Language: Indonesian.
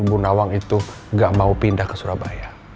bu nawang itu gak mau pindah ke surabaya